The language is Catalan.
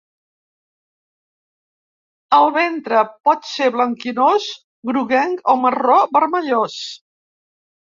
El ventre pot ser blanquinós, groguenc o marró vermellós.